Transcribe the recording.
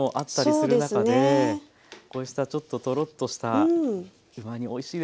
こうしたちょっとトロッとしたうま煮おいしいですよね。